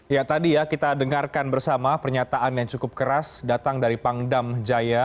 ya tadi ya kita dengarkan bersama pernyataan yang cukup keras datang dari pangdam jaya